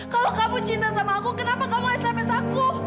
kalau kamu cinta sama aku kenapa kamu sms aku